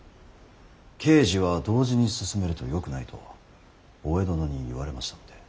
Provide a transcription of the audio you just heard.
慶事は同時に進めるとよくないと大江殿に言われましたので。